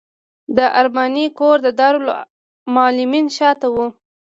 د ارماني کور د دارالمعلمین شاته و.